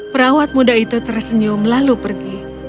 perawat muda itu tersenyum lalu pergi